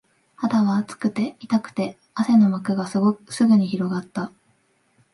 肌は熱くて、痛くて、汗の膜がすぐに広がった